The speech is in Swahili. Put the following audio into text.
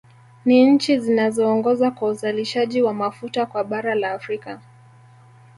Ni nchi zinazoongoza kwa uzalishaji wa mafuta kwa bara la Afrika